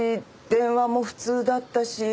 電話も不通だったし。